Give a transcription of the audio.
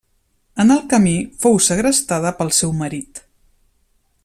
En el camí fou segrestada pel seu marit.